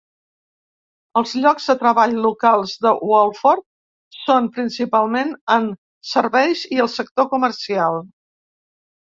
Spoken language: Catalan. Els llocs de treball locals de Waldorf són principalment en serveis i el sector comercial.